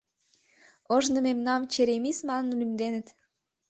Ожно мемнам черемис манын лӱмденыт.